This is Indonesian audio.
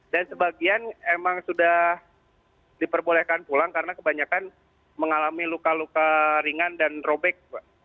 dan sebagian memang sudah diperbolehkan pulang karena kebanyakan mengalami luka luka ringan dan robek